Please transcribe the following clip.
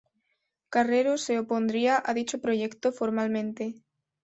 Carrero se opondría a dicho proyecto formalmente.